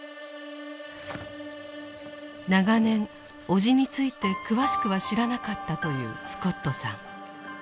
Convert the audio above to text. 長年叔父について詳しくは知らなかったというスコットさん。